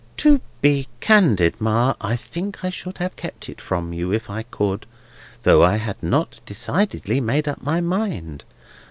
"To be candid, Ma, I think I should have kept it from you if I could: though I had not decidedly made up my mind.